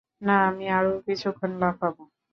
না, আমি আরও কিছুক্ষণ লাফাবো।